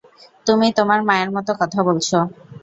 তুমি তোমার মায়ের মতো কথা বলছো।